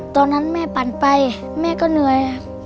ตอนนั้นแม่ปั่นไปแม่ก็เหนื่อย